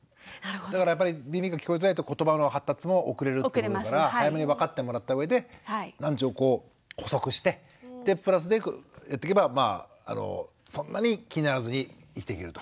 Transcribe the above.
だからやっぱり耳が聞こえてないと言葉の発達も遅れるっていうから早めに分かってもらった上で難聴を補足してプラスでやっていけばまあそんなに気にならずに生きていけると。